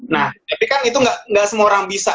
nah tapi kan itu nggak semua orang bisa